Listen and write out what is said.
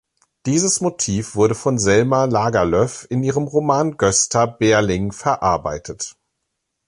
Dieses Motiv wurde von Selma Lagerlöf in ihrem Roman Gösta Berling verarbeitet.